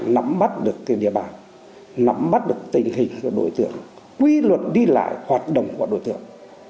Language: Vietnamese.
nắm bắt được địa bàn nắm bắt được tình hình của đối tượng quy luật đi lại hoạt động của đối tượng